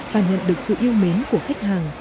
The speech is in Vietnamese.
và nhận được sự yêu mến của khách hàng